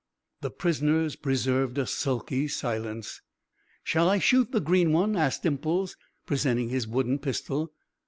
The prisoners preserved a sulky silence. "Shall I shoot the green one?" asked Dimples, presenting his wooden pistol.